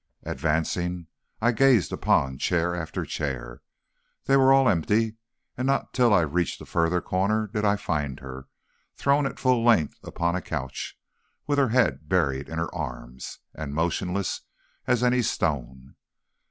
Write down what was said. "Advancing, I gazed upon chair after chair. They were all empty, and not till I reached the further corner did I find her, thrown at full length upon a couch, with her head buried in her arms, and motionless as any stone.